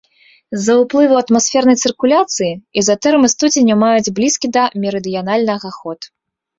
З-за ўплыву атмасфернай цыркуляцыі ізатэрмы студзеня маюць блізкі да мерыдыянальнага ход.